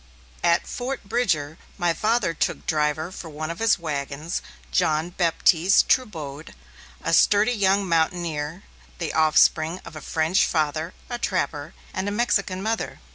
At Fort Bridger, my father took as driver for one of his wagons, John Baptiste Trubode, a sturdy young mountaineer, the offspring of a French father a trapper and a Mexican mother.